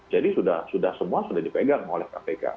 jadi sudah semua sudah dipegang oleh kpk